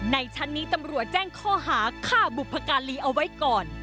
ชั้นนี้ตำรวจแจ้งข้อหาฆ่าบุพการีเอาไว้ก่อน